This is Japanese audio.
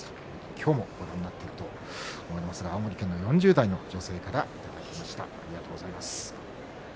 今日もご覧になっていると思われますが青森県の４０代の女性からいただきました。